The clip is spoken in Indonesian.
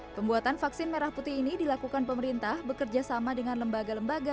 pembuatan vaksin merah putih ini dilakukan pemerintah bekerja sama dengan lembaga lembaga